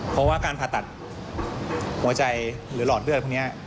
เพราะว่าการผ่าตัดหัวใจหรือหลอดเลือดพวกนี้